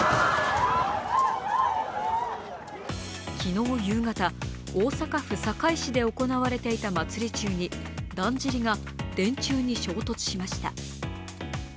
昨日夕方、大阪府堺市で行われていた祭り中にだんじりが電柱に衝突しました。